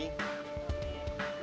untuk memohon kepadamu ya allah